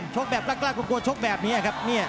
โชคแบบปากครับกลัวโชคแบบนี้ครับ